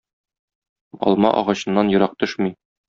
Алма агачыннан ерак төшми.